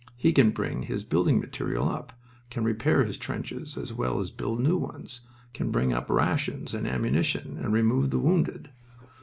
He can bring his building material up, can repair his trenches as well as build new ones, can bring up rations and ammunition, and remove the wounded.